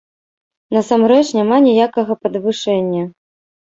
Насамрэч, няма ніякага падвышэння!